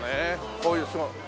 こういうすごい。